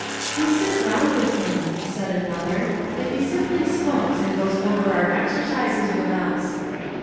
"We sit round with him," said another, "and he simply smokes and goes over our exercises with us."